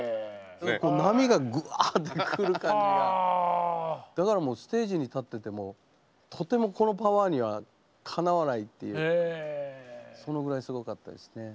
波がぐわっと来る感じがだからもうステージに立っててもとてもこのパワーにはかなわないっていうそのぐらいすごかったですね。